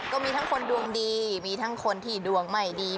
ก็มีทั้งคนดวงดีมีทั้งคนที่ดวงไม่ดี